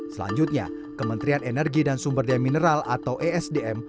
selanjutnya kementerian energi dan sumber daya mineral atau esdm